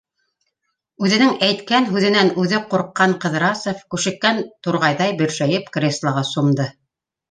Үҙенең әйткән һүҙенән үҙе ҡурҡҡан Ҡыҙрасов күшеккән турғайҙай бөршәйеп креслоға сумды.